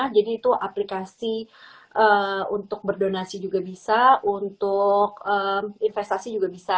jadi itu aplikasi untuk berdonasi juga bisa untuk investasi juga bisa